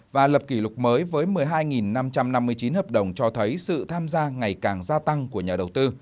và lập kỷ lục mới với một mươi hai năm trăm năm mươi chín hợp đồng cho thấy sự tham gia ngày càng gia tăng của nhà đầu tư